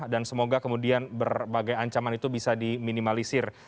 dan semoga kemudian berbagai ancaman itu bisa diminimalisir